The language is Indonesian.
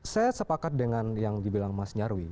saya sepakat dengan yang dibilang mas nyarwi